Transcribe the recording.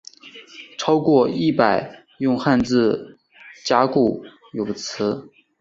超过一百用汉字词加固有词。